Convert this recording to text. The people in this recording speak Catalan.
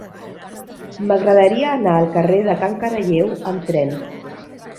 M'agradaria anar al carrer de Can Caralleu amb tren.